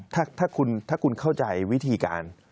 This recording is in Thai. ถ้าคุณเข้าใจวิธีการ